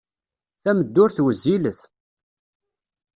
Tameddurt wezzilet.